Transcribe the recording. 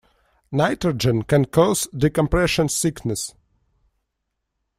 Nitrogen can cause decompression sickness.